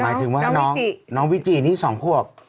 หมายถึงว่าน้องวิจิน้องวิจินี่๒ควบ